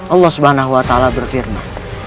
allah swt berfirman